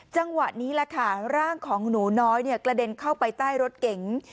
จังหวะนี้แหละค่ะร่างของหนูน้อยกระเด็นเข้าไปใต้รถเก๋ง